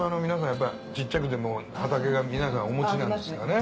やっぱり小っちゃくても畑皆さんお持ちなんですね。